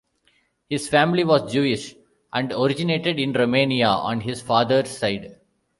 His family was Jewish, and originated in Romania on his father's side.